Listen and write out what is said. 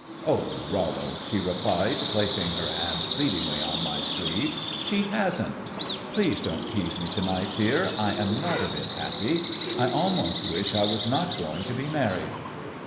"Oh, Rollo," she replied, placing her hand pleadingly on my sleeve, "she hasn't. Please don't tease me to night, dear. I am not a bit happy. I almost wish I was not going to be married."